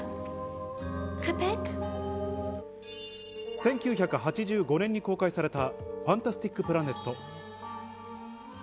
１９８５年に公開された『ファンタスティック・プラネット』。